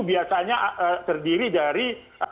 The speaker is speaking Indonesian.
biasanya terdiri dari